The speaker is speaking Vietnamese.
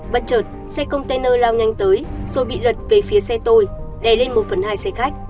bất chợt xe container lao nhanh tới rồi bị lật về phía xe tôi đè lên một phần hai xe khách